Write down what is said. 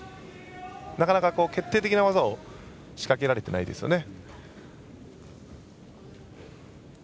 なかなか決定的な技を仕掛けられていないですね。